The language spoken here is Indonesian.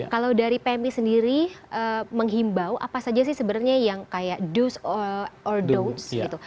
kalau dari pmi sendiri menghimbau apa saja sih sebenarnya yang kayak do's or don'ts gitu